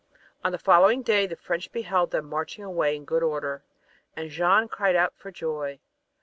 On the following day the French beheld them marching away in good order, and Jeanne cried out for joy.